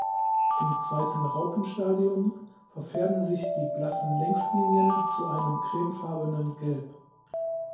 Im zweiten Raupenstadium verfärben sich die blassen Längslinien zu einem cremefarbenen Gelb.